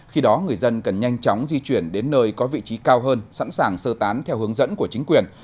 khi đó người dân cần nhanh chóng di chuyển đến nơi có vị trí cao hơn sẵn sàng sơ tán theo hướng dẫn của chính quyền